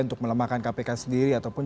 untuk melemahkan kpk sendiri ataupun